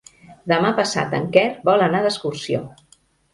Demà passat en Quer vol anar d'excursió.